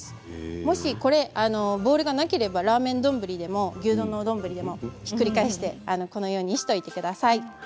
もしボウルがなければラーメン丼でも牛丼の丼でもひっくり返してこのようにしておいてください。